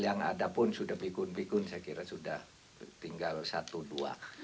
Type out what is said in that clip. yang ada pun sudah pikun pikun saya kira sudah tinggal satu dua